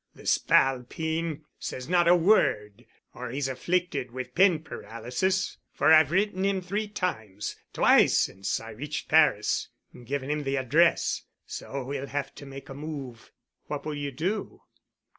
"The spalpeen says not a word—or he's afflicted with pen paralysis, for I've written him three times—twice since I reached Paris, giving him the address. So we'll have to make a move." "What will you do?"